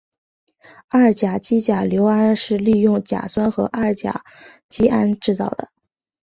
二甲基甲醯胺是利用甲酸和二甲基胺制造的。